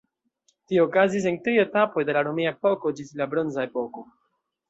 Tio okazis en tri etapoj de la romia epoko ĝis la bronza epoko.